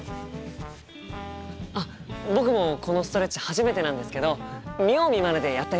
あっ僕もこのストレッチ初めてなんですけど見よう見まねでやってみます。